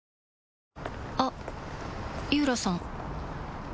あっ井浦さん